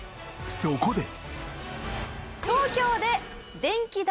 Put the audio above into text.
そこで。